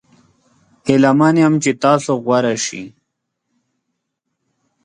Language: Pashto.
هیله من یم چې تاسو غوره شي.